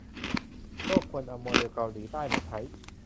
โลกควรเอาโมเดลเกาหลีใต้มาใช้